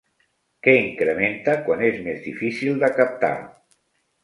Què incrementa quan és més difícil de captar?